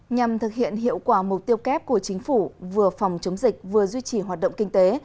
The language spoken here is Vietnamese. nhằm thực hiện hiệu quả mục tiêu kép của chính phủ vừa phòng chống dịch vừa duy trì hoạt động kinh tế